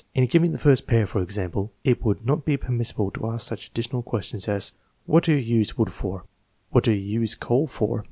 In giving the first pair, for example, it would not be permissible to ask such addi tional questions as, " What do you use wood for ? What do you use coal for